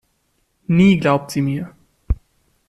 Nie glaubt sie mir.